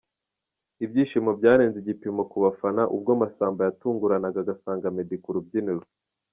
Ibyishimo byarenze igipimo ku bafana, ubwo Masamba yatunguranaga agasanga Meddy ku rubyiniro.